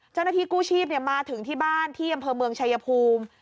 เจ้าหน้าที่กู้ชีพมาถึงที่บ้านที่อำเภอเมืองชายภูมิ